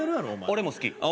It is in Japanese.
俺も好き。